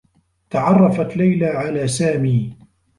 تعرّفت ليلى على سامي.